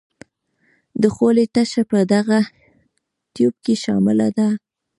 د خولې تشه په دغه تیوپ کې شامله ده.